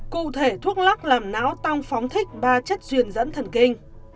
cụ thể thuốc lắc làm não tăng phóng thích ba chất duyên dẫn thần kinh